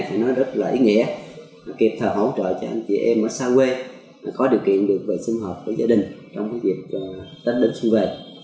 và nó rất là ý nghĩa kịp thời hỗ trợ cho anh chị em ở xa quê có điều kiện được vệ sinh hợp với gia đình trong việc tách đứng xuống về